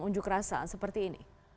unjuk rasa seperti ini